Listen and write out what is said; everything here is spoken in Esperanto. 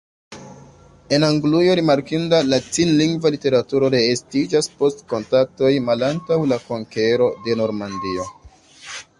En Anglujo rimarkinda latinlingva literaturo reestiĝas post kontaktoj malantaŭ la konkero de Normandio.